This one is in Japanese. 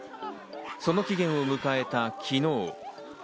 その期限を迎えた昨日。